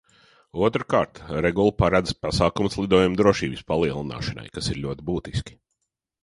Otrkārt, regula paredz pasākumus lidojumu drošības palielināšanai, kas ir ļoti būtiski.